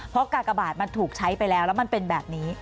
เพราะกากบาทมันถูกใช้ไปแล้วแล้วมันเป็นแบบนี้